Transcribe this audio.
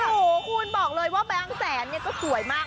โอ้โหคุณบอกเลยว่าแบงค์แสนเนี่ยก็สวยมาก